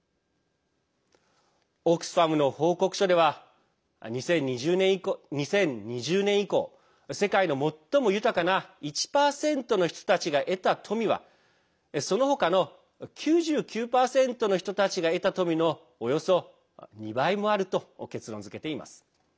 オックスファムの報告書では２０２０年以降世界の最も豊かな１％の人たちが得た富はその他の９９％の人たちが得た富のおよそ２倍もあると結論づけています。